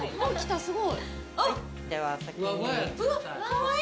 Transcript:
すごい！